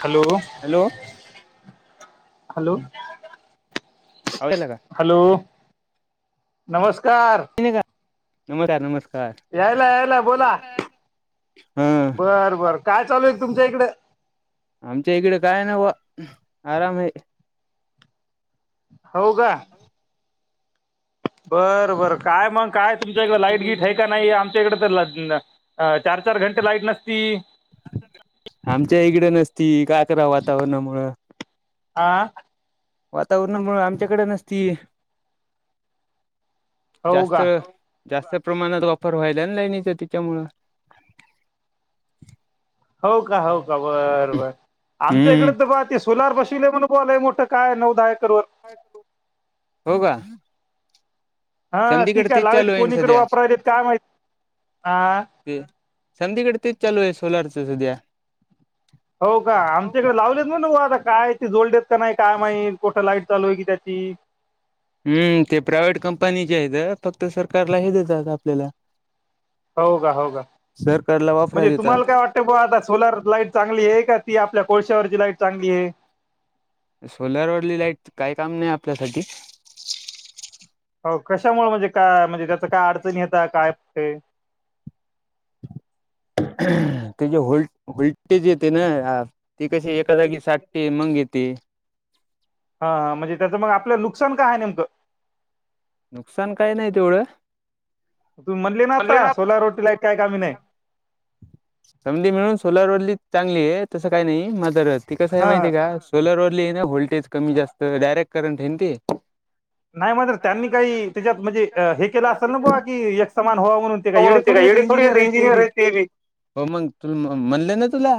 Hello. Hello. Hello. [unintelligible] का hello नमस्कार. [unintelligible] नमस्कार नमस यायला यायला बोला. बरं बर काय चालू आहे तुमच्या इकडे? आमच्या इकडे काय नव्हं आराम आहे. हो का. बरं बरं काय मग काय तुमच्या इकडे लाईट बीट आहे का नाही आमच्या इकडे तर अह चार चार घंटे लाईट नसती आमच्या इकडं नसती काकरा वातावरणामुळं. आ. वातावरणामुळं आमच्याकडं नसती जास्त जास्त प्रमाणात वापर व्हायला ना लाईनीचा तिच्यामुळं हो का हो का बरं बरं. आमच्या इकडे तर बा ते सोलार बसीवलयं म्हण बोलाय मोठं काय नऊ दहा एकरवर हो का. हा ती काय लाईट कोणीकडे वापरायलेत काय माहिती हा हम्म समदीकडे तेच चालू आहे सोलारच सध्या हो का आमच्याकडे लावलेत ना बघ आता काय ते जोडलेत का नाही काय माहीत कुठं लाईट चालू आहे की त्याची हम्म ते प्रायव्हेट कंपनीचे आहेत फक्त सरकारला हे देतात आपल्याला हो का हो का, म्हणजे तुम्हाला काय वाट त बुवा आता सोलर लाईट चांगली आहे का ती आपल्या कोळश्यावरची लाईट चांगली आहे? सोलारवरली लाईट काय काम नाही आपल्यासाठी. आहो कशामुळे म्हणजे काय म्हणजे त्याच काय अडचणी येता काय [unintelligible] ते जे होल होल्टेज येते ना आ ती कशी एका जागी साठते मंग येते हा हां म्हणजे त्याचं मग आपलं नुकसान काय आहे नेमकं? नुकसान काय नाही तेवढं बणली ना आता सो रोड सा काय का समधी मिळून सोलार वरली चांगली ये, तसं काही नाही माझं रस ती कसं आहे माहितीय का? सोलर वरली आहे ना, व्होल्टेज कमी जास्त डायरेक्ट करंट हे न ते. नाही मात्र त्यांनी काही त्याच्यात म्हणजे हे केलं असेल, ना बुवा की एक समान व्हाव म्हणून. म्हणून ते काय येडे थोडी ये ते इंजिनियर ये ते त्यानी, हो मग तु म्हणले ना तुला.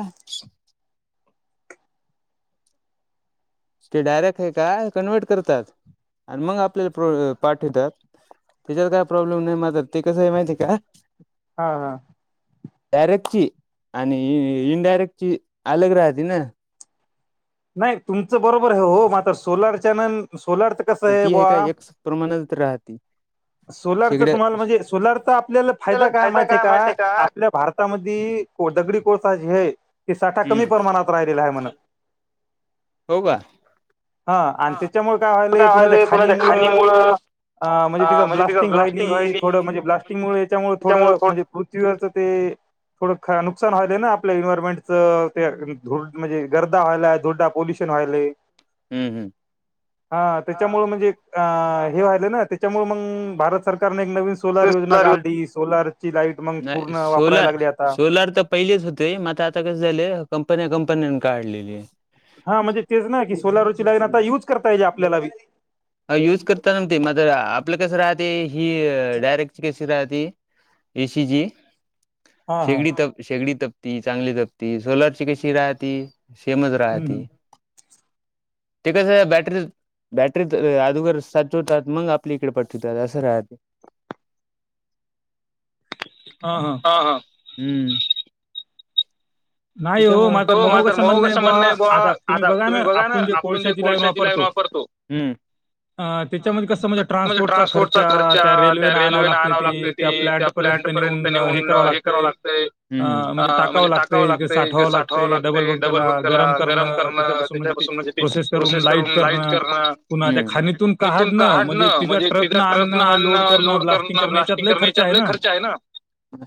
ते डायरेक्ट हे काय कन्व्हर्ट करतात आणि मग आपल्याला प पाठीवतात. त्याच्यात काय प्रॉब्लेम नाही मा तर ते कसं आहे माहितीये का? हा, हा डायरेक्ट ची आणि इनडायरेक्टची आलग राहती ना. नाही तुमचं बरोबर हे, हो मात्र सोलार चॅनल सोलार तर, तर ती हे का एक स प्रमाणात राहती. सोलारचा तुम्हाला म्हणजे सोलारचा आपल्याला फायदा काय माहिती आहे का? आपल्या भार तामधी को दगडी कोळसा जे आहे ते साठा कमी प्रमाणात राहिलेला आहे म्हणं. हो का? हा आणि त्याच्यामुळं काय व्हालंय पुन्हा त्या खाणी मुळं अ म्हणजे तिथं ब्लास्टिंग व्हायली थोडं म्हणजे ब्लास्टिंगमुळे याच्यामुळे थोडं म्हणजे पृथ्वीवरचं ते थोडं ख नुकसान व्हायलं ना आपल्या इन्व्हॉर्मेंट च ते धुड म्हणजे गर्दा व्हायला धुडा, पोल्युशन व्हायलय. हा त्याच्यामुळे म्हणजे अ हे व्हायलंय ना ते च्यामुळं मगं भारत सरकारने एक नवीन सो सोलार योजना काढली, सोलार ची लाईट मग पूर्ण वापरायला लागली आता. पहिलेच होते म आता, आता कसं झालं कंपन्या- कंपन्याने काढलेली आहे. हा म्हणजे तेच ना की सोलारवरची लाईन आता युज करता येते आपल्याला बी. हा युज करताना ते मातर आपलं कसं राहते ही डायरेक्टची केस राहती ए सी जी शेगडी तप, शेगडी तप ती चांगली तपती, सोलरची कशी राहती सेमच राहती. ते कसं बॅटरी, बॅटरीत तर अदोगर साचवतात मग आपल्या इकडे पाटवितात असं राहते. [inaudible] हां -हां, हा- हा हम्म. त्याच्यामुळे हो मात्र मऊ कसं म्हणणय बुवा आता तुम्ही बघा ना आपण जे कोळशाची लाईन वापरतो. हम्म, त्याच्या वर तुम्हाला ट्रान्सपोर्टचा खर्चा त्या रेल्वेने आणाव लागत ते, त्या प्लांट पर्यंत नेऊन हे करावं लागतेय, अं म्हणजे टाकावं लाग ते साठवावं लागते, डबल मग त्याला गरम करणं त्याच्यापासून म्हणजे ती प्रोसेस करून लाईट करणं इथून काडणं म्हणजे दा ट्रक तिथंन आणणं, लोड करणं, ब्लास्टिंग करणं याच्यात लय खर्च आहे ना.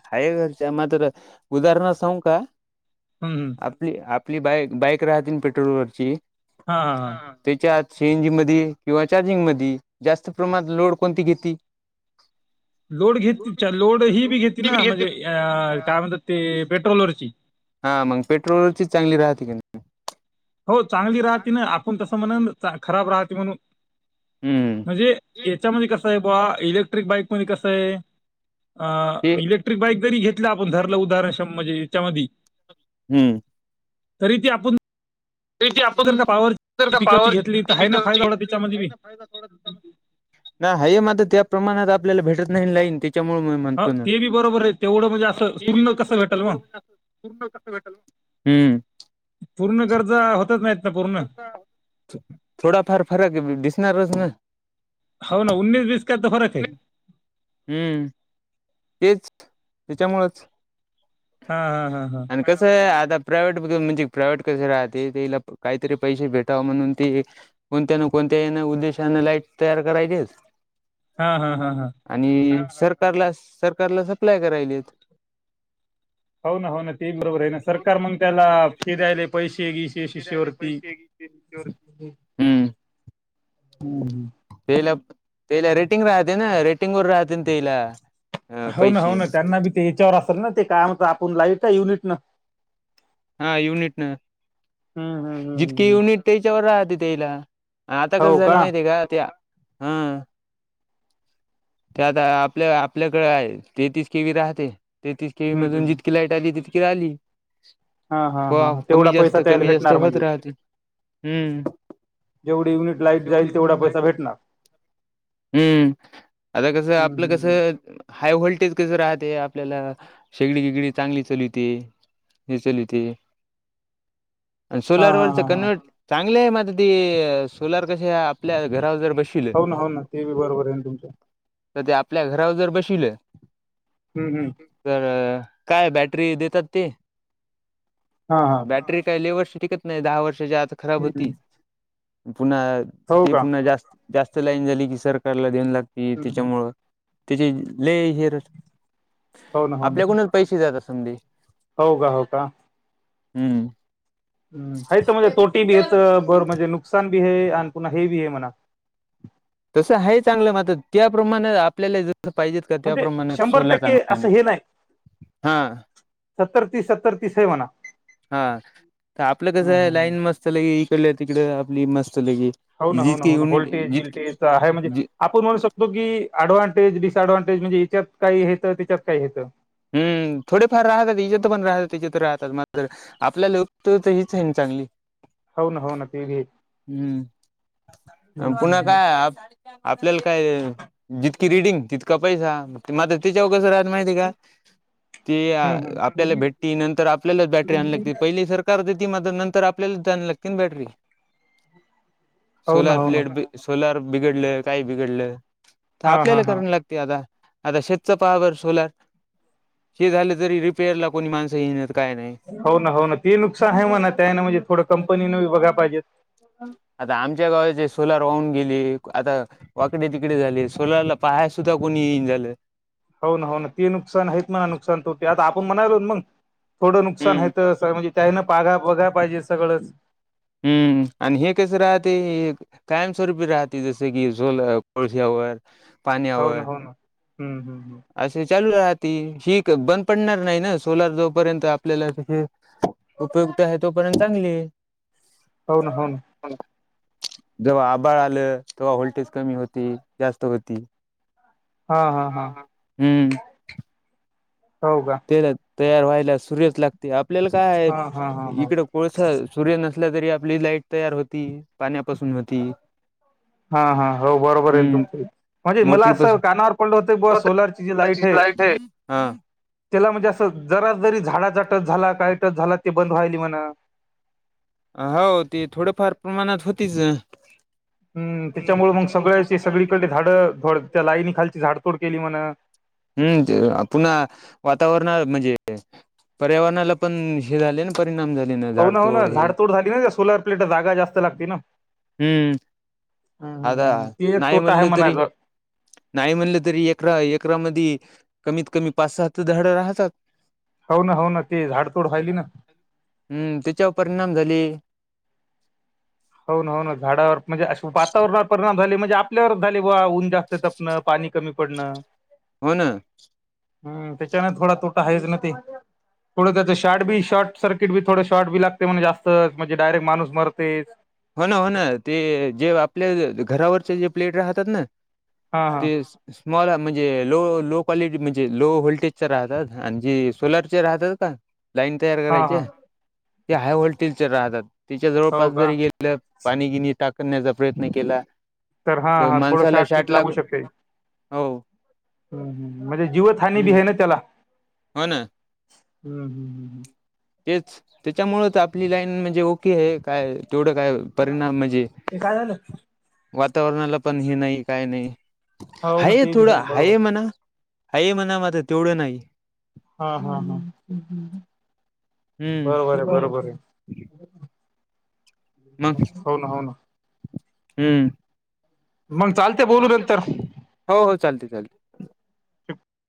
हाय खरच्या मात्र उदाहरणात सांगु का? हम्म, ती आपली, आपली बाई, बाईक राहती ना पेट्रोलवरची त्याच्यात सी एन जी मध्यी किंवा चार्जिंग मध्यी जास्त प्रमाणात लोड कोणती घेतील? लोड घेत तिचा लोड ही बी घेतती ना, म्हणजे अ काय म्हणतात ते पेट्रोलवरची. हा मगं पेट्रोलवरचीच चांगली राहती का नई. हो चांगली राहती ना आपण तसं म्हणाण खराब राहती म्हणून. हुम्म. म्हणजे याच्यामध्ये कसं आहे बुवा? इलेक्ट्रिक बाइक मध्ये कस आहे? आ इलेक्ट्रिक बाईक जरी घेतल आपण धरलं उदाहरण शम् म्हणजे याच्यामधी. हुंम्म. तरी ते आपुण. इथे आपण जर का पॉवर [unintelligible] आहे ना फायदा थोडा कम. हा आहे मात्र त्या प्रमाणात आपल्याला भेटत नाही लाईन ती. त्यामुळे मी म्हणतो ना. हा ते बी बघ प्रयत्न करून. पूर्ण टक्के भेटेल ना. हम्म. पूर्ण गरजा होतच नाही थोडाफार फरक आहे. दिसणारच ना. हाऊ ना. उन्नीस बीस का तो फरक आहे. हम्म. हेच त्याच्यामुळच. हा हा हा हा. ना कसं आहे आता प्रायव्हेट मधून म्हणजे प्रायव्हेट कस राहते तिला काहीतरी पैसे भेटाव म्हणून ती. कोणत्या ना कोणत्या याने उद्देशाने लाईट तयार करायचेच. हा हा हा हा. आणि सरकारला सरकारला सप्लाय करायचेत. हो ना हो ना तेही बरोबर आहे ना सरकार मग त्याला फी द्यायले पैशे घील. फिरायले पैशे [unintelligible] हम्. तेला तेला रेटिंग राहते ना. रेटिंग वर राहते ना तेईला. हाऊ ना हो ना त्यांना बी ते याच्यावर आसल ना ते काय होत आपण लाईट युनिट न. हा युनिट. जितकी युनिट त्याच्यावर राहते त्याईला. आता कसं झालं माहिते का? ते हं. त्यात आज आपल्या आपल्याकडे आहे तेहतीस किवी राहते. तेहतीस किवी मधून जितकी लाईट आली तितकी आली. हा हा हा हा तेवढा पैसा तयार भेटणार म्हणजे. जेवढी युनिट लाईट जाईल तेवढा पैसा भेटणार. हुं. आता कसं? आपलं कसं? हाय व्होल्टेज कसं राहतेय आपल्याला शेगडी गेगडी चांगली चालीते. [unintelligible] हुं. आणि सोलार वरच कन्वर्ट. चांगले आहे म आता ते. सोलार कसे आपल्या घरावर जर बश हाऊना हाऊना ते बी बरोबर आहेना तुमच. तर ते आपल्या घरावर जर बशीवल्या तर काय बॅटरी देतात ते? हा हा. बॅटरी काय लई वर्ष टिकत नाही दहा वर्षाच्या आत खराब होती पुन्हा ती पुन्हा जास् जास्त लाईन झाली की सरकारला देन लागते त्याच्यामुळं त्याची लई हेर हाऊ ना हाऊ ना. हो का हो का. तिची लई हेर हम्म. है तुम्हाला तोटी बीच बर म्हणजे नुकसान भी आहे आणि पुन्हा हे बी आहे म्हणा. तसं आहे चांगलं मदत त्याप्रमाण आपल्याईला जर तर पाहिजेत का त्याप्रमाण सोलल्या. [unintelligible] हा. सत्तर तीस सत्तर तीसय म्हणा. हा तर आपलं कसं आहे लाईन मस्त लगे इकड तिकड आपली मस्त लगी हो ना हो ना हो ना होल्टेज गिल्टेज त आहे म्हणजे आपण म्हणू शकतो की ऍडव्हांटेज डिसअडव्हांटेज म्हणजे याच्यात काही हायतं त्याच्यात काही हायतं. हम्म थोडेफार राहतात इजेत पण राहतात तिजत राहतात मात्र आपल्या लोक त हेच आहे ना चांगली. हम्म अन पुन्हा काय आप आपल्याला काय जितकी रिडिंग तितका पैसा मात्र त्याच्यावर कस राहत माहिती का? ते आपल्याला भेटती नंतर आपल्यालाच बॅटरी आणाय लागती पहि ली सरकार देेती मात्र नंतर आपल्यालाच तेन आणाय लागती ना बॅटरी. सोलार प्लेट बि सोलार बिघडलं काही बिघडलं तर आपल्याला कराण लाग ते आता आता शेतच पाहा बरं सोलार हे झालं जरी रिपेअर ला कोणी माणसं येईनात काय नाही. हो ना हो ना ते नुकसान आहे म्हणा त्यान म्हणजे थोडं कंपनीन बी बघाय पाहिजेत. हम्म. आता आमच्या गावाचे सोलार वाहून गेले आता वाकडे तिकडे झाले सोलारला पहाय सुद्धा कोणी येईन झालं. हो ना हो ना ते नुकसान आहेत ना नुकसान तो ते आता आपण म्हणायलो ना मंग. थोडं नुकसान हायत अस म्हणजे त्यानं पागा बघा पाहिजे सगळंच. हम्म आणि हे कसं राहते हे एक कायमस्वरूपी राहती जसे की झोल कोळस्यावर पाण्यावर असे चालू राहीती हीक बंद पडणार नाही ना सोलार जोपर्यंत आपल्याला उपयुक्त आहे तोपर्यंत चांगली आहे. हो ना हो ना. हो ना. जेव्हा आबाळ आलं तेव्हा व्होल्टेज कमी होती, जास्त होती. हा हा हा हो का? तेला तयार व्हायला सूर्यच लागते आपल्याला काय आहे इकड कोळसा सूर्य नसल्या तरी आपली लाईट तयार होती पाण्यापासून होती. हा हा हो बरोबर आहे तुमच ही. म्हणजे मला असं कानावर पडलं होत बुवा सोलरची जी लाइट आहे त्याला म्हणजे असं जरा जरी झाडाचा टच झाला, काही टच झाला ते बंद व्हायली म्हण हो ते थोडफार प्रमाणात होतीच. हम्म त्याच्यामुळ मग सगळ्याचे सगळीकडे झाडं होड त्या लाईनी खालची झाडतोड केली म्हण? हम्म पुन्हा वातावरणा म्हणजे पर्यावरणाला पण हे झाले ना परिणाम झाले ना झाडतोड हे, हम्म. आता नाही म्हणलं तरी, नाही म्हणलं तरी एकरा एकरा मधी कमीत कमी पाच सहा तर झाडं राहतात. हो ना हो ना ते झाडतोड व्हायली ना. हम्म त्याच्यावर परिणाम झाली. हो ना हो ना झाडावर म्हणजे अ वातावरणावर परिणाम झाले म्हणजे आपल्यावरच झाले बा ऊन जास्त तर पाणी कमी पडणं. हो न. हम्म त्याच्याने थोडा तोटा हायच ना ते. थोडंस शॉट बी शॉर्ट सर्किट बी थोड शॉर्ट बी लागते म्हणे जास्त म्हणजे डारेक्ट माणूस मरते हो ना हो ना ते जे आपल्या घरावरचे जे प्लेट राहतात ना ते स्मॉल म्हणजे लो लो क्वालिटी म्हणजे लो व्होल्टेजच्या राहतात आणि जे सोलर च राहतात ना लाईन तयार करायचे ते हाय व्होल्टेजचे राहतात तिच्या जवळपास जरी गेल प्लग पाणी गिनी टाकण्याचा प्रयत्न केला तर माणसाला शाट लागू हो. हम्म हम्म म्हणजे जीवतहानी बी आहे ना त्याला होन हम्म हम्म हम्म तेच त्याच्यामुळच आपली लाईन म्हणजे ओके हे काय तेवढं काय परिणाम म्हणजे वातावरणाला पण हे नाही काय नाही हाय थोडं हाय म्हणा आहे म्हणा मध्ये तेवढं नाही हा हा हा बरोबर आहे बरोबर आहे हो ना हो ना हम्म हो हो चालते चालते